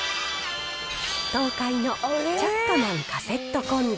東海のチャッカマンカセットコンロ。